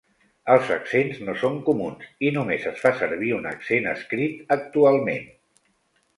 Els accents no són comuns i només es fa servir un accent escrit actualment.